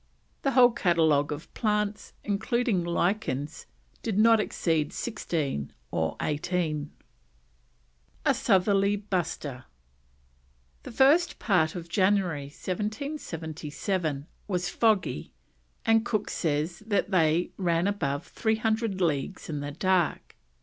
The whole catalogue of plants, including lichens, did not exceed sixteen or eighteen. A SOUTHERLY BUSTER. The first part of January 1777 was foggy, and Cook says they "ran above 300 leagues in the dark."